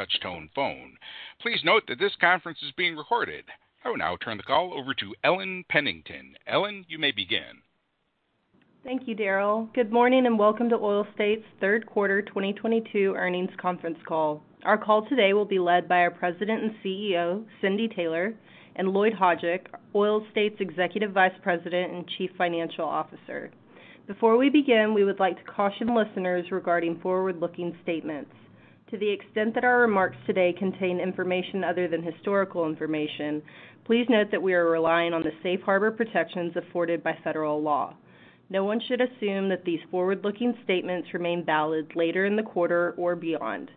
Touchtone phone. Please note that this conference is being recorded. I will now turn the call over to Ellen Pennington. Ellen, you may begin. Thank you, Daryl. Good morning, and welcome to Oil States third quarter 2022 earnings conference call. Our call today will be led by our President and CEO, Cindy Taylor, and Lloyd Hajdik, Oil States Executive Vice President and Chief Financial Officer. Before we begin, we would like to caution listeners regarding forward-looking statements. To the extent that our remarks today contain information other than historical information, please note that we are relying on the safe harbor protections afforded by federal law. No one should assume that these forward-looking statements remain valid later in the quarter or beyond.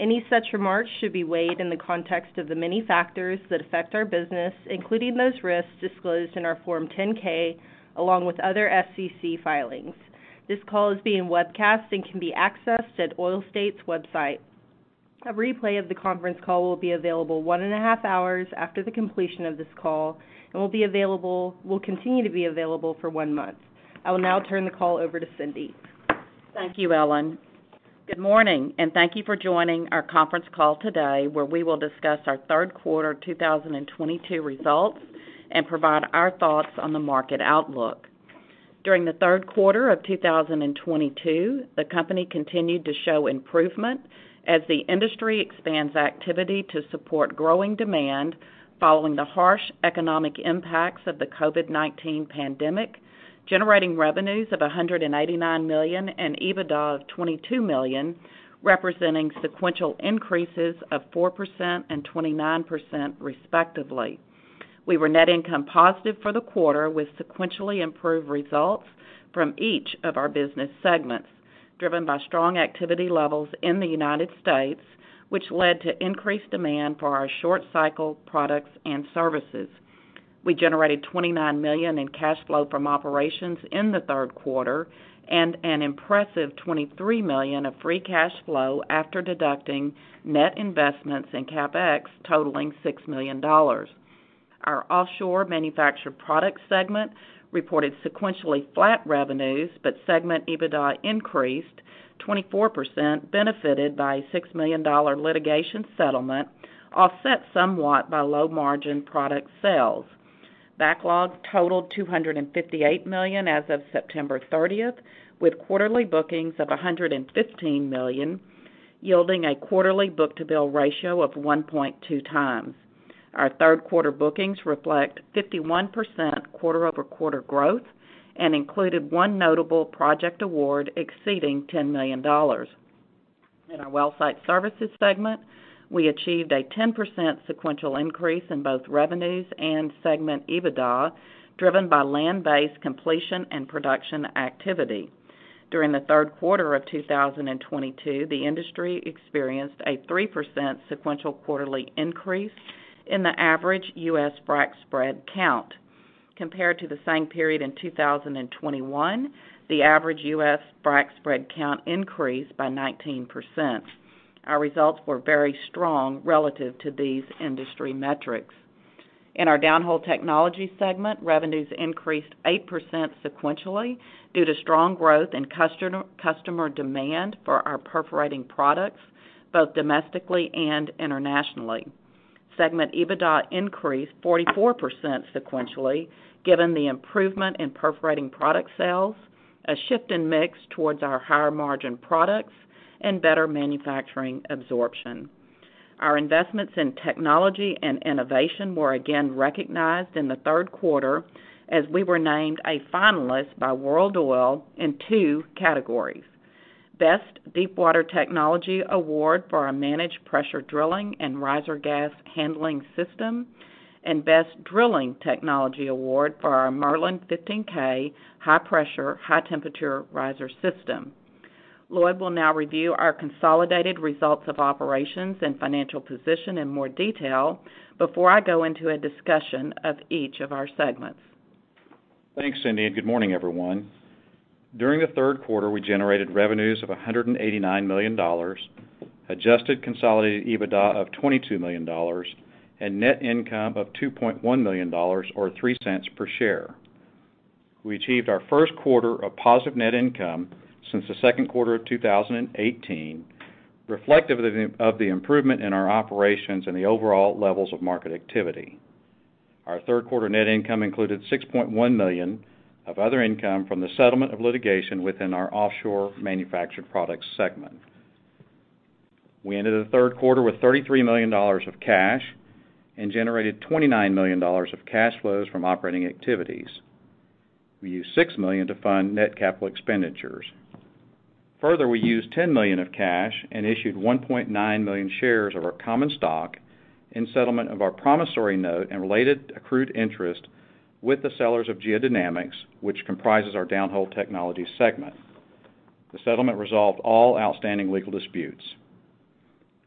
Any such remarks should be weighed in the context of the many factors that affect our business, including those risks disclosed in our Form 10-K, along with other SEC filings. This call is being webcast and can be accessed at Oil States' website.A replay of the conference call will be available one and a half hours after the completion of this call and will continue to be available for one month. I will now turn the call over to Cindy. Thank you, Ellen. Good morning, and thank you for joining our conference call today, where we will discuss our third quarter 2022 results and provide our thoughts on the market outlook. During the third quarter of 2022, the company continued to show improvement as the industry expands activity to support growing demand following the harsh economic impacts of the COVID-19 pandemic, generating revenues of $189 million and EBITDA of $22 million, representing sequential increases of 4% and 29%, respectively. We were net income positive for the quarter with sequentially improved results from each of our business segments, driven by strong activity levels in the United States, which led to increased demand for our short cycle products and services. We generated $29 million in cash flow from operations in the third quarter and an impressive $23 million of free cash flow after deducting net investments in CapEx totaling $6 million. Our Offshore Manufactured Products segment reported sequentially flat revenues, but segment EBITDA increased 24% benefited by a $6 million litigation settlement, offset somewhat by low margin product sales. Backlogs totaled $258 million as of September thirtieth, with quarterly bookings of $115 million, yielding a quarterly book-to-bill ratio of 1.2 times. Our third quarter bookings reflect 51% quarter-over-quarter growth and included one notable project award exceeding $10 million. In our Well Site Services segment, we achieved a 10% sequential increase in both revenues and segment EBITDA, driven by land-based completion and production activity. During the third quarter of 2022, the industry experienced a 3% sequential quarterly increase in the average U.S. frac spread count. Compared to the same period in 2021, the average U.S. frac spread count increased by 19%. Our results were very strong relative to these industry metrics. In our Downhole Technologies segment, revenues increased 8% sequentially due to strong growth in customer demand for our perforating products, both domestically and internationally. Segment EBITDA increased 44% sequentially, given the improvement in perforating product sales, a shift in mix towards our higher margin products, and better manufacturing absorption. Our investments in technology and innovation were again recognized in the third quarter as we were named a finalist by World Oil in two categories. Best Deepwater Technology Award for our Managed Pressure Drilling and Riser Gas Handling System, and Best Drilling Technology Award for our Merlin 15K High-Pressure, High-Temperature Riser System. Lloyd will now review our consolidated results of operations and financial position in more detail before I go into a discussion of each of our segments. Thanks, Cindy, and good morning, everyone. During the third quarter, we generated revenues of $189 million, adjusted consolidated EBITDA of $22 million and net income of $2.1 million or $0.03 per share. We achieved our first quarter of positive net income since the second quarter of 2018, reflective of the improvement in our operations and the overall levels of market activity. Our third quarter net income included $6.1 million of other income from the settlement of litigation within our Offshore Manufactured Products segment. We ended the third quarter with $33 million of cash and generated $29 million of cash flows from operating activities. We used $6 million to fund net capital expenditures. Further, we used $10 million of cash and issued 1.9 million shares of our common stock in settlement of our promissory note and related accrued interest with the sellers of GEODynamics, which comprises our Downhole Technologies segment. The settlement resolved all outstanding legal disputes.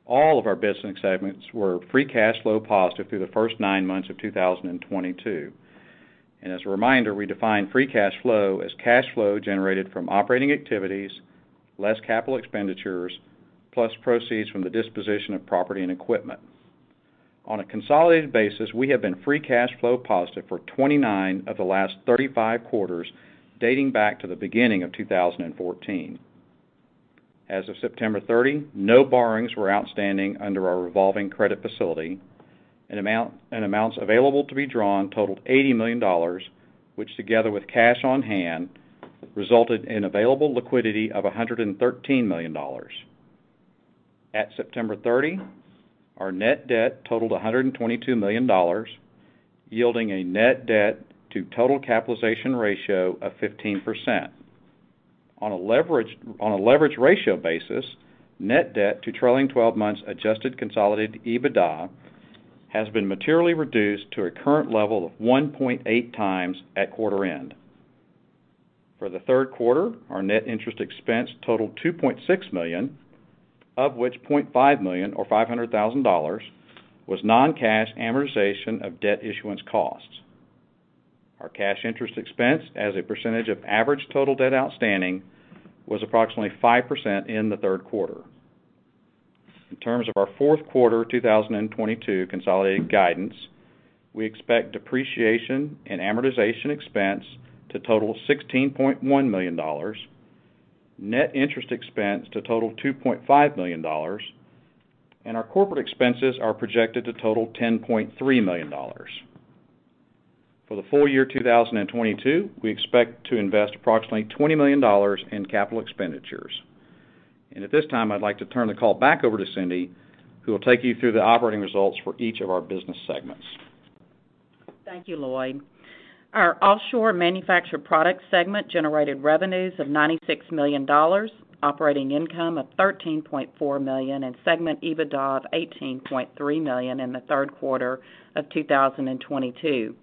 All of our business segments were free cash flow positive through the first nine months of 2022. As a reminder, we define free cash flow as cash flow generated from operating activities, less capital expenditures, plus proceeds from the disposition of property and equipment. On a consolidated basis, we have been free cash flow positive for 29 of the last 35 quarters, dating back to the beginning of 2014. As of September 30, no borrowings were outstanding under our revolving credit facility, and amounts available to be drawn totaled $80 million, which together with cash on hand, resulted in available liquidity of $113 million. At September 30, our net debt totaled $122 million, yielding a net debt to total capitalization ratio of 15%. On a leverage ratio basis, net debt to trailing twelve months adjusted consolidated EBITDA has been materially reduced to a current level of 1.8x at quarter end. For the third quarter, our net interest expense totaled $2.6 million, of which $0.5 million or $500,000 was non-cash amortization of debt issuance costs. Our cash interest expense as a percentage of average total debt outstanding was approximately 5% in the third quarter. In terms of our fourth quarter 2022 consolidated guidance, we expect depreciation and amortization expense to total $16.1 million, net interest expense to total $2.5 million, and our corporate expenses are projected to total $10.3 million. For the full year 2022, we expect to invest approximately $20 million in capital expenditures. At this time, I'd like to turn the call back over to Cindy, who will take you through the operating results for each of our business segments. Thank you, Lloyd. Our Offshore Manufactured Products segment generated revenues of $96 million, operating income of $13.4 million and segment EBITDA of $18.3 million in the third quarter of 2022.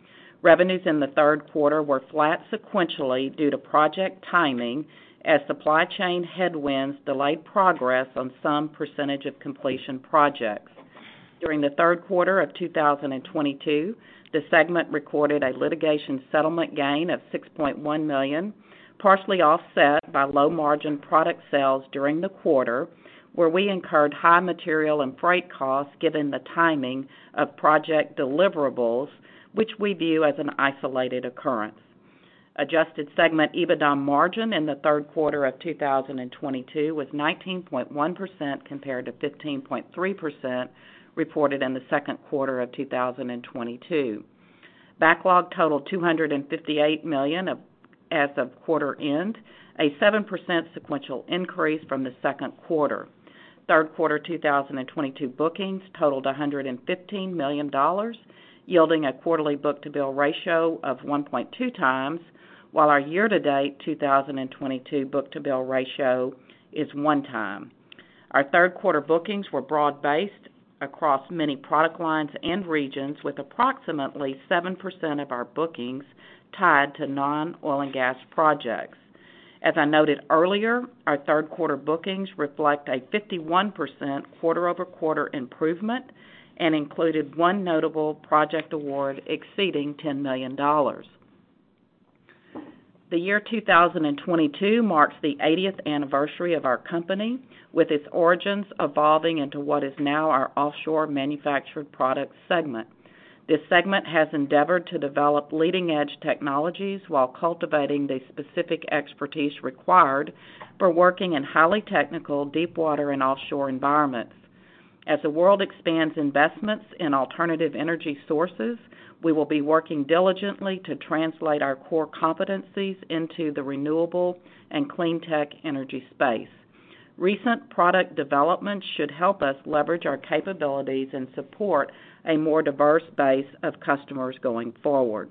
Revenues in the third quarter were flat sequentially due to project timing as supply chain headwinds delayed progress on some percentage-of-completion projects. During the third quarter of 2022, the segment recorded a litigation settlement gain of $6.1 million, partially offset by low-margin product sales during the quarter, where we incurred high material and freight costs given the timing of project deliverables, which we view as an isolated occurrence. Adjusted segment EBITDA margin in the third quarter of 2022 was 19.1% compared to 15.3% reported in the second quarter of 2022. Backlog totaled $258 million, as of quarter end, a 7% sequential increase from the second quarter. Third quarter 2022 bookings totaled $115 million, yielding a quarterly book-to-bill ratio of 1.2x, while our year-to-date 2022 book-to-bill ratio is 1x. Our third quarter bookings were broad-based across many product lines and regions, with approximately 7% of our bookings tied to non-oil and gas projects. As I noted earlier, our third quarter bookings reflect a 51% quarter-over-quarter improvement and included one notable project award exceeding $10 million. The year 2022 marks the 80th anniversary of our company, with its origins evolving into what is now our Offshore Manufactured Products segment. This segment has endeavored to develop leading-edge technologies while cultivating the specific expertise required for working in highly technical deepwater and offshore environments. As the world expands investments in alternative energy sources, we will be working diligently to translate our core competencies into the renewable and clean tech energy space. Recent product developments should help us leverage our capabilities and support a more diverse base of customers going forward.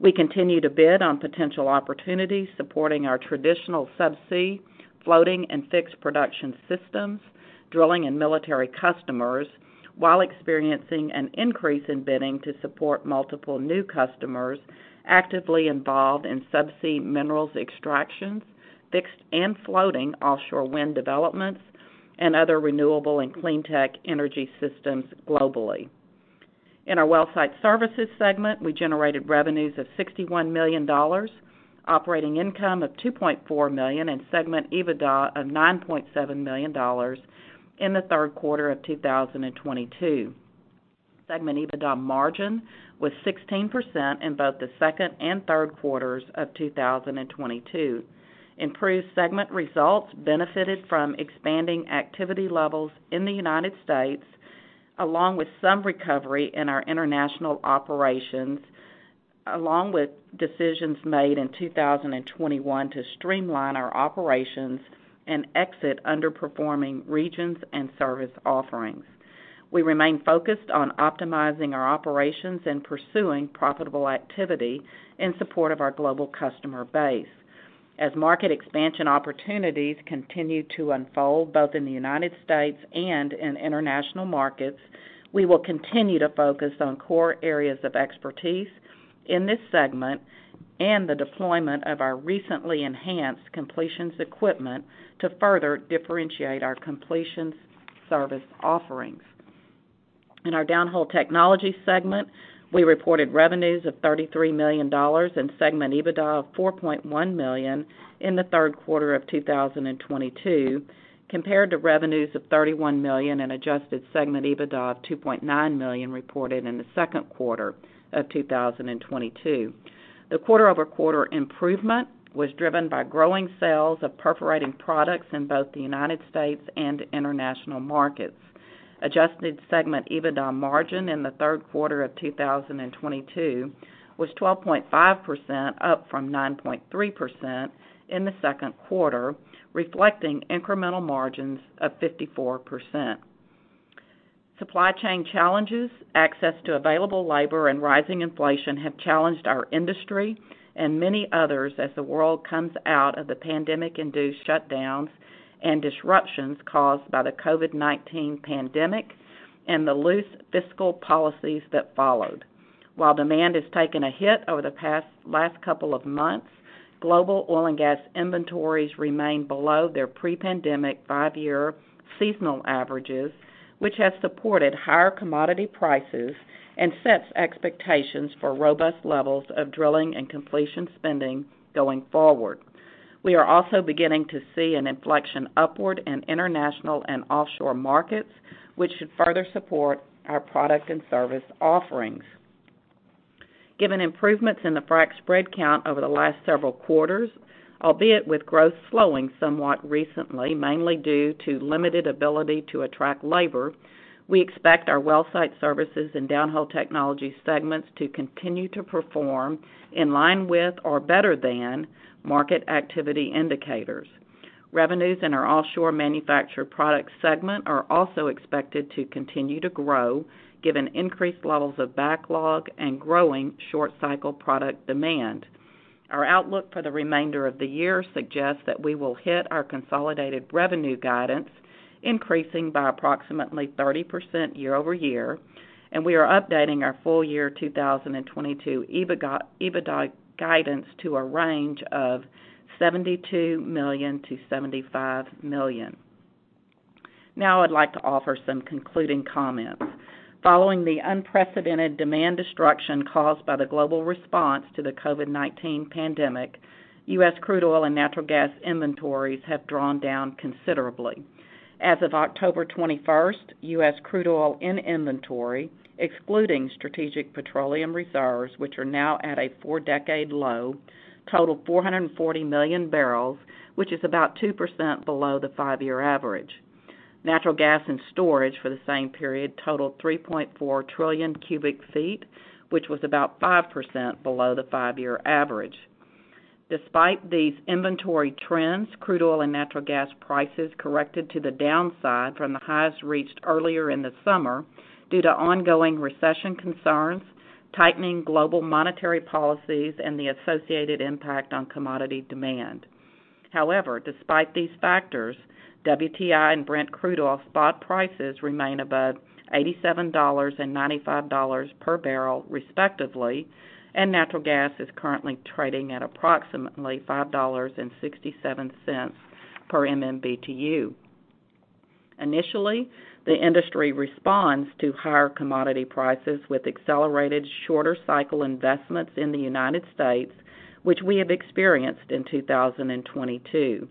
We continue to bid on potential opportunities supporting our traditional subsea floating and fixed production systems, drilling and military customers while experiencing an increase in bidding to support multiple new customers actively involved in subsea minerals extractions, fixed and floating offshore wind developments, and other renewable and clean tech energy systems globally. In our Well Site Services segment, we generated revenues of $61 million, operating income of $2.4 million and segment EBITDA of $9.7 million in the third quarter of 2022. Segment EBITDA margin was 16% in both the second and third quarters of 2022. Improved segment results benefited from expanding activity levels in the United States, along with some recovery in our international operations, along with decisions made in 2021 to streamline our operations and exit underperforming regions and service offerings. We remain focused on optimizing our operations and pursuing profitable activity in support of our global customer base. As market expansion opportunities continue to unfold both in the United States and in international markets, we will continue to focus on core areas of expertise in this segment and the deployment of our recently enhanced completions equipment to further differentiate our completions service offerings. In our Downhole Technologies segment, we reported revenues of $33 million and segment EBITDA of $4.1 million in the third quarter of 2022, compared to revenues of $31 million and adjusted segment EBITDA of $2.9 million reported in the second quarter of 2022. The quarter-over-quarter improvement was driven by growing sales of perforating products in both the United States and international markets. Adjusted segment EBITDA margin in the third quarter of 2022 was 12.5%, up from 9.3% in the second quarter, reflecting incremental margins of 54%. Supply chain challenges, access to available labor and rising inflation have challenged our industry and many others as the world comes out of the pandemic-induced shutdowns and disruptions caused by the COVID-19 pandemic and the loose fiscal policies that followed. While demand has taken a hit over the last couple of months, global oil and gas inventories remain below their pre-pandemic 5-year seasonal averages, which have supported higher commodity prices and sets expectations for robust levels of drilling and completion spending going forward. We are also beginning to see an inflection upward in international and offshore markets, which should further support our product and service offerings. Given improvements in the frac spread count over the last several quarters, albeit with growth slowing somewhat recently, mainly due to limited ability to attract labor, we expect our Well Site Services and Downhole Technologies segments to continue to perform in line with or better than market activity indicators. Revenues in our Offshore Manufactured Products segment are also expected to continue to grow given increased levels of backlog and growing short cycle product demand. Our outlook for the remainder of the year suggests that we will hit our consolidated revenue guidance, increasing by approximately 30% year-over-year, and we are updating our full year 2022 EBITDA guidance to a range of $72 million-$75 million. Now I'd like to offer some concluding comments. Following the unprecedented demand destruction caused by the global response to the COVID-19 pandemic, U.S. crude oil and natural gas inventories have drawn down considerably. As of October 21st, U.S. crude oil in inventory, excluding Strategic Petroleum Reserve, which are now at a 4-decade low, totaled 440 million barrels, which is about 2% below the 5-year average. Natural gas and storage for the same period totaled 3.4 trillion cubic feet, which was about 5% below the 5-year average. Despite these inventory trends, crude oil and natural gas prices corrected to the downside from the highs reached earlier in the summer due to ongoing recession concerns, tightening global monetary policies, and the associated impact on commodity demand. However, despite these factors, WTI and Brent crude oil spot prices remain above $87 and $95 per barrel, respectively, and natural gas is currently trading at approximately $5.67 per MMBTU. Initially, the industry responds to higher commodity prices with accelerated shorter cycle investments in the United States, which we have experienced in 2022.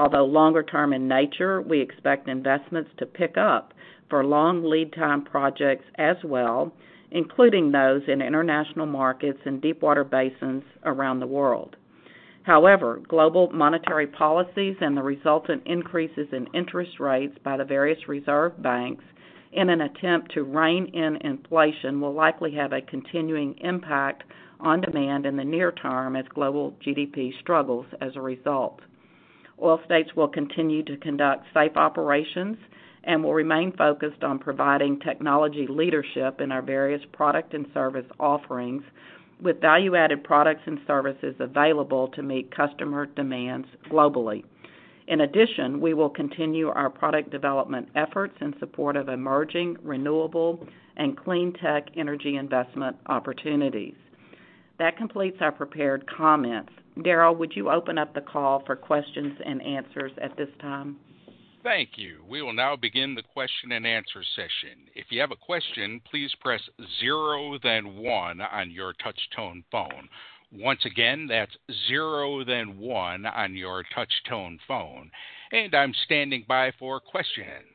Although longer term in nature, we expect investments to pick up for long lead time projects as well, including those in international markets and deepwater basins around the world. However, global monetary policies and the resultant increases in interest rates by the various reserve banks in an attempt to rein in inflation will likely have a continuing impact on demand in the near term as global GDP struggles as a result. Oil States will continue to conduct safe operations and will remain focused on providing technology leadership in our various product and service offerings with value-added products and services available to meet customer demands globally. In addition, we will continue our product development efforts in support of emerging renewable and clean tech energy investment opportunities. That completes our prepared comments. Darryl, would you open up the call for questions and answers at this time? Thank you. We will now begin the question and answer session. If you have a question, please press zero then one on your touch tone phone. Once again, that's zero then one on your touch tone phone. I'm standing by for questions.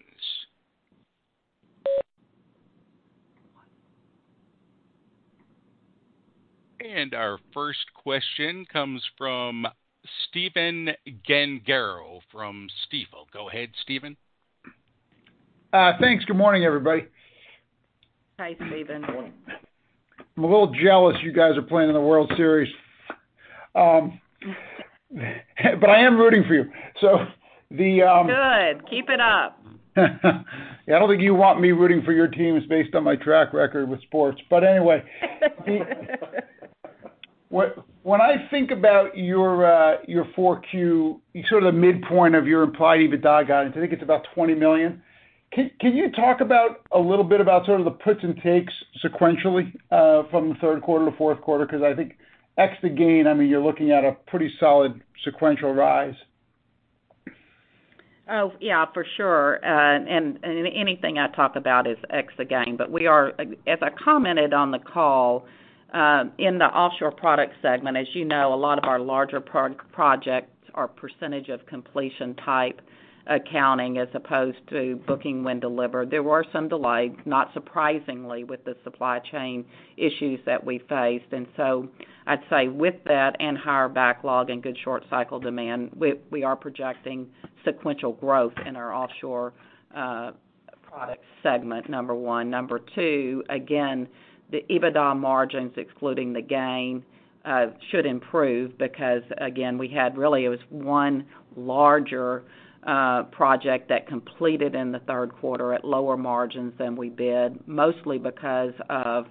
Our first question comes from Stephen Gengaro from Stifel. Go ahead, Stephen. Thanks. Good morning, everybody. Hi, Stephen. I'm a little jealous you guys are playing in the World Series. I am rooting for you. Good. Keep it up. I don't think you want me rooting for your teams based on my track record with sports. Anyway. When I think about your Q4, sort of midpoint of your implied EBITDA guidance, I think it's about $20 million. Can you talk about a little bit about sort of the puts and takes sequentially from the third quarter to fourth quarter? 'Cause I think except the gain, I mean, you're looking at a pretty solid sequential rise. Oh, yeah, for sure. Anything I talk about is ex the gain. We are, as I commented on the call, in the offshore product segment, as you know, a lot of our larger projects are percentage-of-completion type accounting as opposed to booking when delivered. There were some delays, not surprisingly, with the supply chain issues that we faced. I'd say with that and higher backlog and good short cycle demand, we are projecting sequential growth in our offshore product segment, number one. Number two, again, the EBITDA margins excluding the gain should improve because, again, we had really, it was one larger project that completed in the third quarter at lower margins than we bid, mostly because of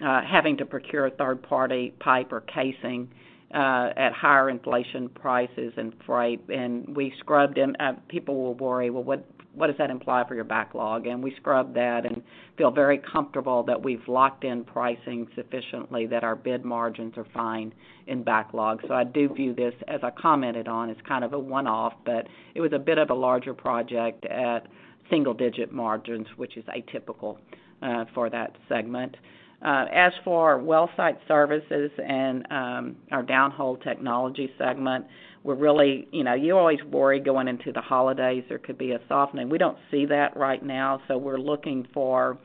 having to procure a third-party pipe or casing at higher inflation prices and freight. We scrubbed it. People will worry, "Well, what does that imply for your backlog?" We scrubbed that and feel very comfortable that we've locked in pricing sufficiently that our bid margins are fine in backlog. I do view this, as I commented on, as kind of a one-off, but it was a bit of a larger project at single-digit margins, which is atypical for that segment. As for Well Site Services and our Downhole Technologies segment, we're really, you know, you always worry going into the holidays, there could be a softening. We don't see that right now, so we're looking for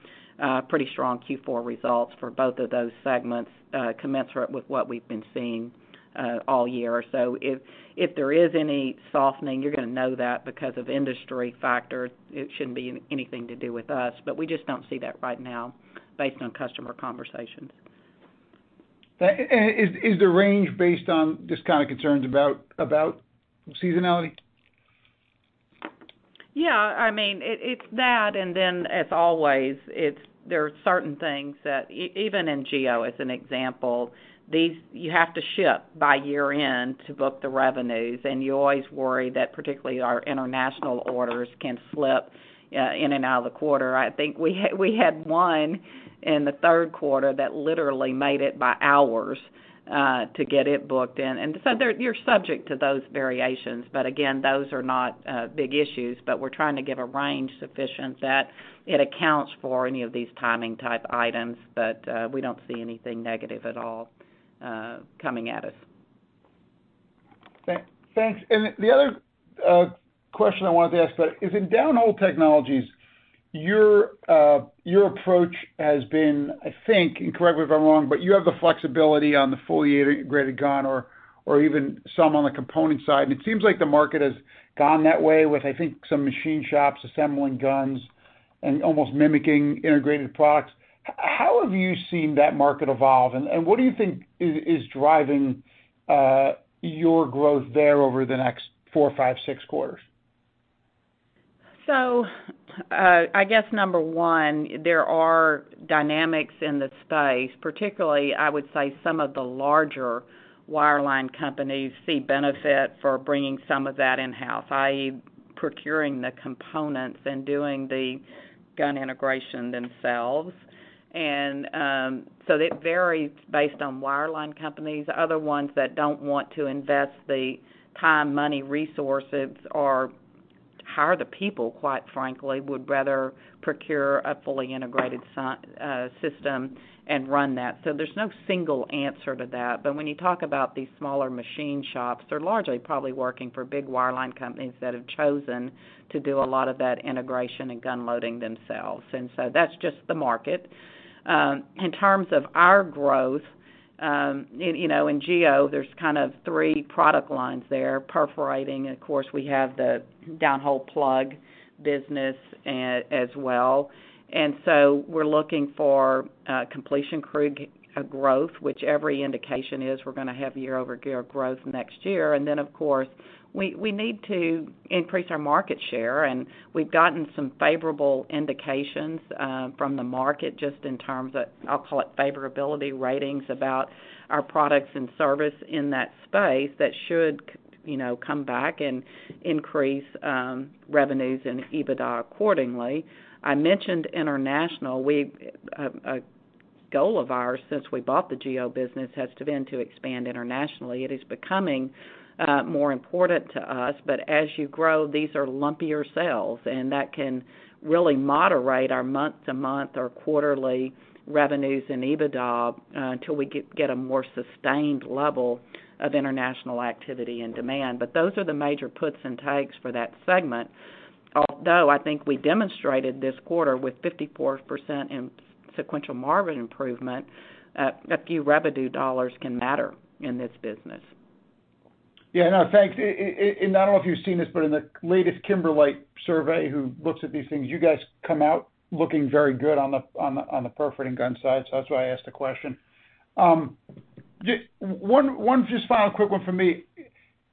pretty strong Q4 results for both of those segments, commensurate with what we've been seeing all year. If there is any softening, you're gonna know that because of industry factors. It shouldn't be anything to do with us, but we just don't see that right now based on customer conversations. Is the range based on just kind of concerns about seasonality? Yeah, I mean, it's that, and then as always, it's there are certain things that even in GEODynamics, as an example, these you have to ship by year-end to book the revenues, and you always worry that particularly our international orders can slip in and out of the quarter. I think we had one in the third quarter that literally made it by hours to get it booked in. You're subject to those variations. Again, those are not big issues. We're trying to give a range sufficient that it accounts for any of these timing type items. We don't see anything negative at all coming at us. Thanks. The other question I wanted to ask about is in Downhole Technologies. Your approach has been, I think, and correct me if I'm wrong, but you have the flexibility on the fully integrated gun or even some on the component side. It seems like the market has gone that way with, I think, some machine shops assembling guns and almost mimicking integrated products. How have you seen that market evolve? What do you think is driving your growth there over the next 4, 5, 6 quarters? I guess number one, there are dynamics in the space, particularly. I would say some of the larger wireline companies see benefit for bringing some of that in-house, i.e., procuring the components and doing the gun integration themselves. It varies based on wireline companies. Other ones that don't want to invest the time, money, resources, or hire the people, quite frankly, would rather procure a fully integrated system and run that. There's no single answer to that. When you talk about these smaller machine shops, they're largely probably working for big wireline companies that have chosen to do a lot of that integration and gun loading themselves. That's just the market. In terms of our growth, you know, in GEODynamics, there's kind of three product lines there. Perforating, of course, we have the downhole plug business as well. We're looking for completion crew growth, which every indication is we're gonna have year-over-year growth next year. Of course, we need to increase our market share. We've gotten some favorable indications from the market just in terms of, I'll call it favorability ratings about our products and service in that space that should, you know, come back and increase revenues and EBITDA accordingly. I mentioned international. We've a goal of ours since we bought the GEODynamics business has been to expand internationally. It is becoming more important to us. As you grow, these are lumpier sales, and that can really moderate our month-to-month or quarterly revenues and EBITDA until we get a more sustained level of international activity and demand. Those are the major puts and takes for that segment. Although I think we demonstrated this quarter with 54% in sequential margin improvement, a few revenue dollars can matter in this business. Yeah, no, thanks. I don't know if you've seen this, but in the latest Kimberlite survey, who looks at these things, you guys come out looking very good on the perforating gun side. So that's why I asked the question. Just one final quick one for me.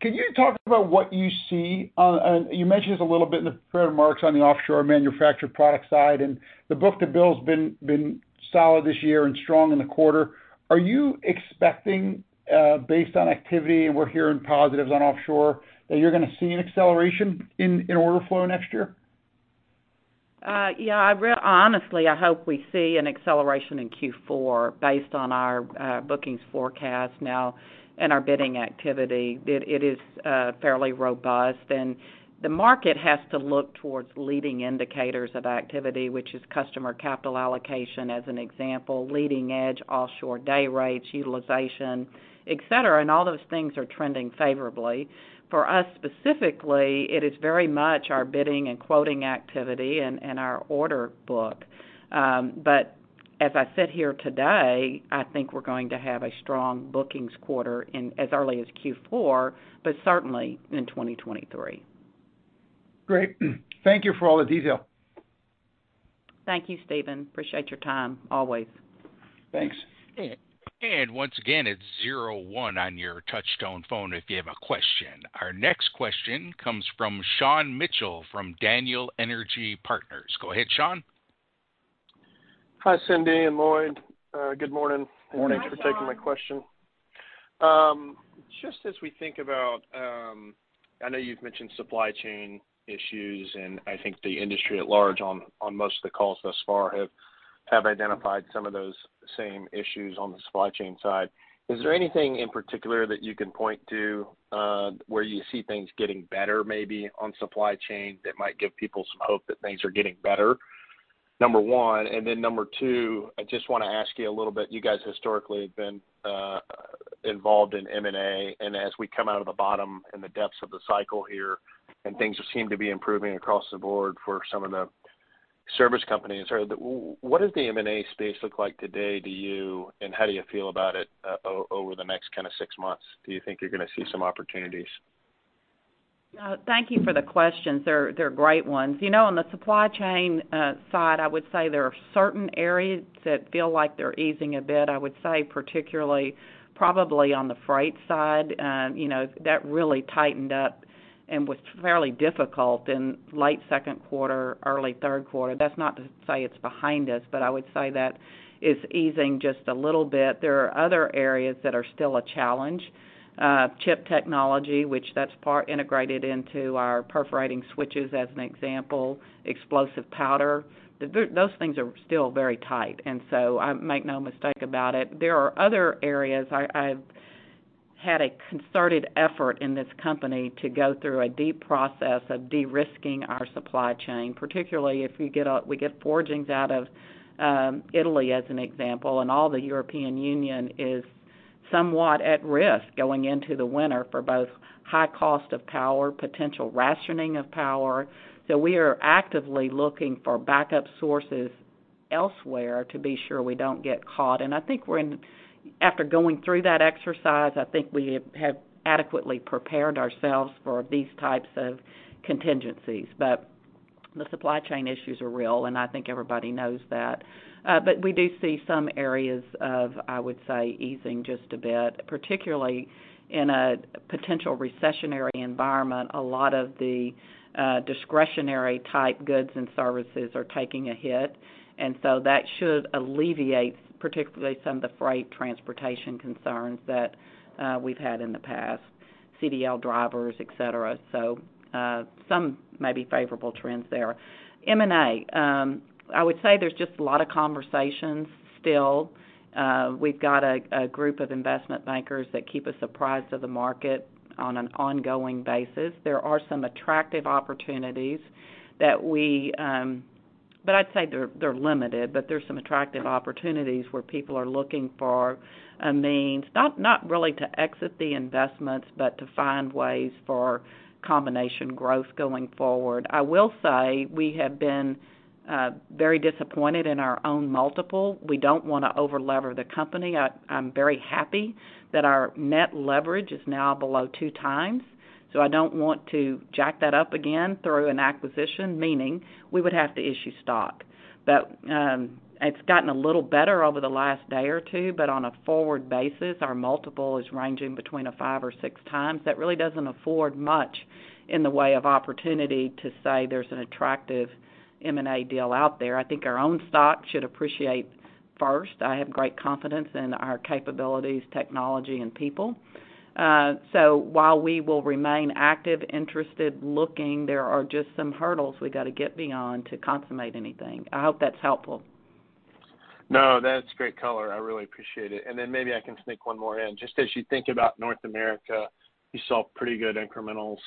Can you talk about what you see on. You mentioned this a little bit in the prepared remarks on the Offshore Manufactured Products side, and the book-to-bill's been solid this year and strong in the quarter. Are you expecting, based on activity, we're hearing positives on offshore, that you're gonna see an acceleration in order flow next year? Honestly, I hope we see an acceleration in Q4 based on our bookings forecast now and our bidding activity. It is fairly robust, and the market has to look towards leading indicators of activity, which is customer capital allocation, as an example, leading edge, offshore day rates, utilization, et cetera, and all those things are trending favorably. For us, specifically, it is very much our bidding and quoting activity and our order book. As I sit here today, I think we're going to have a strong bookings quarter in as early as Q4, but certainly in 2023. Great. Thank you for all the detail. Thank you, Stephen. Appreciate your time, always. Thanks. Yeah. Once again, it's 01 on your touch-tone phone if you have a question. Our next question comes from Sean Mitchell from Daniel Energy Partners. Go ahead, Sean. Hi, Cindy and Lloyd. Good morning. Good morning, Sean. Thanks for taking my question. Just as we think about, I know you've mentioned supply chain issues, and I think the industry at large on most of the calls thus far have identified some of those same issues on the supply chain side. Is there anything in particular that you can point to, where you see things getting better, maybe on supply chain that might give people some hope that things are getting better? Number 1, and then number 2, I just wanna ask you a little bit. You guys historically have been involved in M&A, and as we come out of the bottom in the depths of the cycle here, and things seem to be improving across the board for some of the service companies. What does the M&A space look like today to you, and how do you feel about it over the next kinda six months? Do you think you're gonna see some opportunities? Thank you for the questions. They're great ones. You know, on the supply chain side, I would say there are certain areas that feel like they're easing a bit. I would say particularly probably on the freight side. You know, that really tightened up and was fairly difficult in late second quarter, early third quarter. That's not to say it's behind us, but I would say that is easing just a little bit. There are other areas that are still a challenge. Chip technology, which that's part integrated into our perforating switches as an example, explosive powder. Those things are still very tight. I make no mistake about it. There are other areas. I've had a concerted effort in this company to go through a deep process of de-risking our supply chain, particularly we get forgings out of Italy, as an example. All the European Union is somewhat at risk going into the winter for both high cost of power, potential rationing of power. We are actively looking for backup sources elsewhere to be sure we don't get caught. I think after going through that exercise, I think we have adequately prepared ourselves for these types of contingencies. The supply chain issues are real, and I think everybody knows that. We do see some areas of, I would say, easing just a bit, particularly in a potential recessionary environment. A lot of the discretionary type goods and services are taking a hit, and so that should alleviate particularly some of the freight transportation concerns that we've had in the past, CDL drivers, et cetera. Some maybe favorable trends there. M&A. I would say there's just a lot of conversations still. We've got a group of investment bankers that keep us apprised of the market on an ongoing basis. There are some attractive opportunities that we. I'd say they're limited, but there's some attractive opportunities where people are looking for a means, not really to exit the investments, but to find ways for combination growth going forward. I will say we have been very disappointed in our own multiple. We don't wanna overleverage the company. I'm very happy that our net leverage is now below 2x, so I don't want to jack that up again through an acquisition, meaning we would have to issue stock. It's gotten a little better over the last day or 2, but on a forward basis, our multiple is ranging between 5x or 6x. That really doesn't afford much in the way of opportunity to say there's an attractive M&A deal out there. I think our own stock should appreciate first. I have great confidence in our capabilities, technology and people. While we will remain active, interested, looking, there are just some hurdles we gotta get beyond to consummate anything. I hope that's helpful. No, that's great color. I really appreciate it. Maybe I can sneak one more in. Just as you think about North America, you saw pretty good incrementals.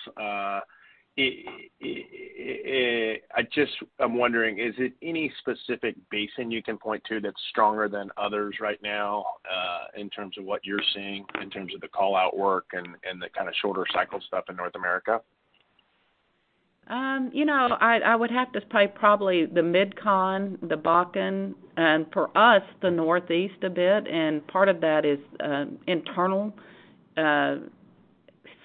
I'm wondering, is it any specific basin you can point to that's stronger than others right now, in terms of what you're seeing in terms of the call out work and the kinda shorter cycle stuff in North America? You know, I would have to say probably the MidCon, the Bakken, and for us, the Northeast a bit. Part of that is internal self-help,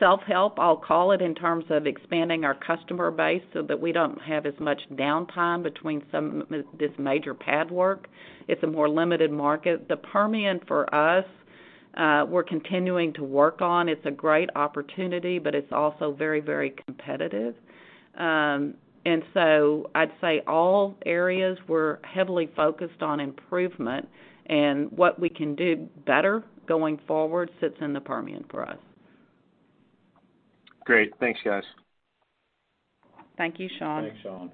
I'll call it, in terms of expanding our customer base so that we don't have as much downtime between some this major pad work. It's a more limited market. The Permian, for us, we're continuing to work on. It's a great opportunity, but it's also very, very competitive. I'd say all areas, we're heavily focused on improvement and what we can do better going forward sits in the Permian for us. Great. Thanks, guys. Thank you, Sean. Thanks, Sean.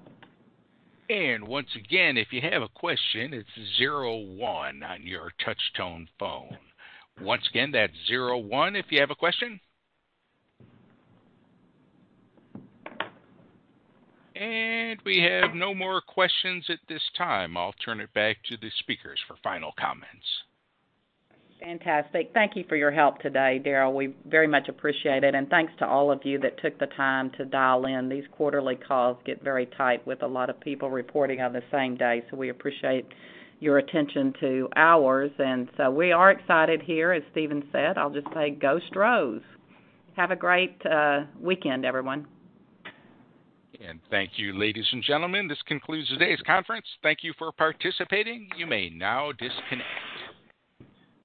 Once again, if you have a question, it's zero one on your touchtone phone. Once again, that's zero one if you have a question. We have no more questions at this time. I'll turn it back to the speakers for final comments. Fantastic. Thank you for your help today, Daryl. We very much appreciate it, and thanks to all of you that took the time to dial in. These quarterly calls get very tight with a lot of people reporting on the same day, so we appreciate your attention to ours. We are excited here, as Stephen said. I'll just say, go Astros. Have a great weekend, everyone. Thank you, ladies and gentlemen. This concludes today's conference. Thank you for participating. You may now disconnect.